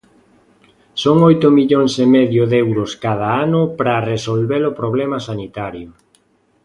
Son oito millóns e medio de euros cada ano para resolver o problema sanitario.